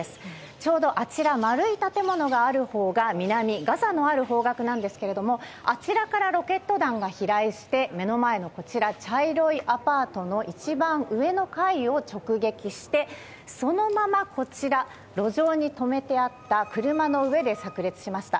ちょうど丸い建物があるほうが南でガザがあるほうの方角ですがあちらからロケット弾が飛来して目の前のこちら茶色いアパートの一番上の階を直撃してそのまま、路上に止めてあった車の上で炸裂しました。